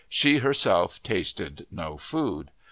She herself tasted no food.